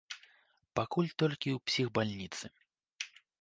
Пакуль толькі у псіхбальніцы.